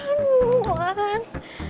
aduh mau ngalahin